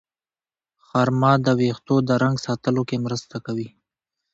خرما د ویښتو د رنګ ساتلو کې مرسته کوي.